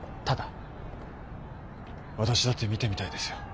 私だって見てみたいですよ。